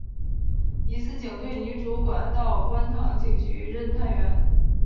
一次警队女主管到观塘警局任探员。